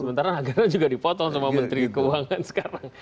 sementara agar agar juga dipotong sama menteri keuangan sekarang